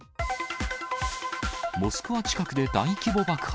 モスクワ近くで大規模爆発。